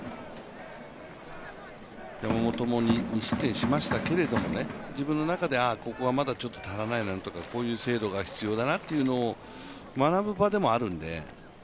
山本も２失点しましたけど自分の中でここはまだちょっと足らないなとかこういう精度が必要だなとか学ぶ場でもあるので。